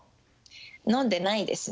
飲んでないですね。